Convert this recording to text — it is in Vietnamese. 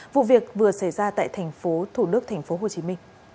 vụ việc vừa xảy ra tại thành phố thủ đức tp hcm